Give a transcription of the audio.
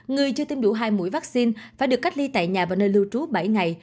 người chưa tiêm đủ hai mũi vaccine phải được cách ly tại nhà và nơi lưu trú bảy ngày